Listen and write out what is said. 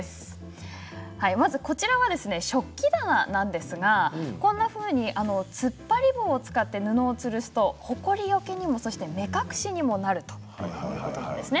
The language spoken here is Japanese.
まず左の写真は食器棚なんですがこんなふうに突っ張り棒を使って布をつるすとほこりよけにも目隠しにもなるということなんですね。